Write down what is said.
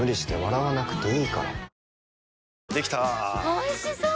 おいしそう！